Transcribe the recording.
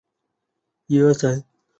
其北侧的建南楼群也于同期建造。